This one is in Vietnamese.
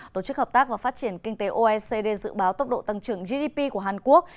tổ chức hợp tác và phát triển kinh tế oecd dự báo tốc độ tăng trưởng gdp của hàn quốc